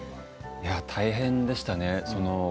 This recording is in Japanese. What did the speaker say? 大変でしたね。